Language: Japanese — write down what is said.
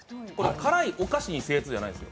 辛いお菓子に精通じゃないんですよ。